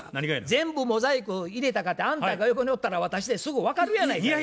全部モザイク入れたかてあんたが横におったら私てすぐ分かるやないかい。